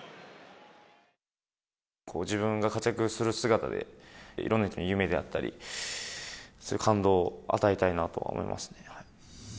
自分が活躍する姿で、いろんな人に夢であったり、そういう感動を与えたいなと思いますね。